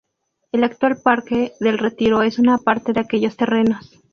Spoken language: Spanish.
El actual Parque del Retiro es una parte de aquellos terrenos.